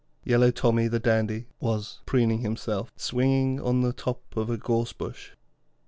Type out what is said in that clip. Yellow Tommy, the dandy, was preening himself, swinging on the top of a gorse bush.